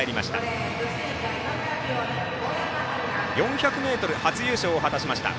久保山晴菜４００ｍ初優勝を果たしました。